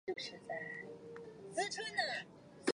埃松人口变化图示